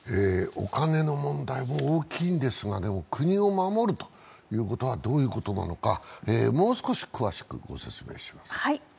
お金の問題も大きいんですが、国を守るということはどういうことなのかもう少し詳しくご説明します。